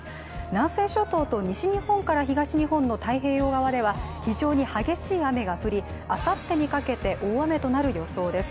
南西諸島と西日本から東日本の太平洋側では非常に激しい雨が降り、明後日にかけて大雨となる予想です。